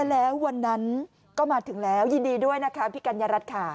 แล้ววันนั้นก็มาถึงแล้วยินดีด้วยนะคะพี่กัญญารัฐค่ะ